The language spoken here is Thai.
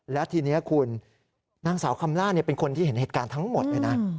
และทีนี้คุณนางสาวคำล่าเป็นคนที่เห็นเหตุการณ์ทั้งหมดเลยนะ